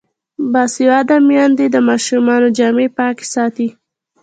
باسواده میندې د ماشومانو جامې پاکې ساتي.